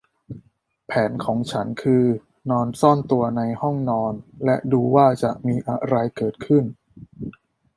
แผนของฉันคือนอนซ่อนตัวในห้องนอนและดูว่าจะมีอะไรเกิดขึ้น